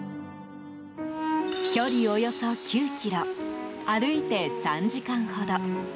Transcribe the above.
距離およそ９ｋｍ歩いて３時間ほど。